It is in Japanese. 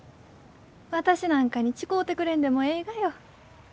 私なんかに誓うてくれんでもえいがよ。